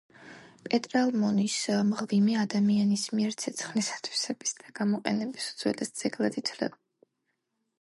პეტრალონის მღვიმე ადამიანის მიერ ცეცხლის ათვისების და გამოყენების უძველეს ძეგლად ითვლება.